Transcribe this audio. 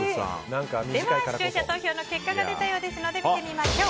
では、視聴者投票の結果が出たようなので見てみましょう。